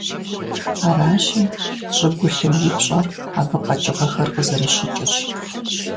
Аращи, щӀыгулъым и пщӀэр абы къэкӀыгъэхэр къызэрыщыкӀырщ.